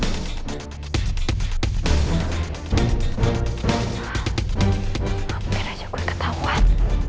mungkin aja gue ketahuan